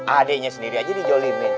adeknya sendiri aja dijolih